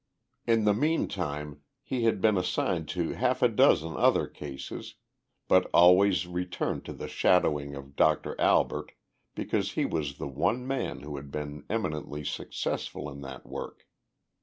In the meantime, he had been assigned to half a dozen other cases, but always returned to the shadowing of Doctor Albert because he was the one man who had been eminently successful in that work.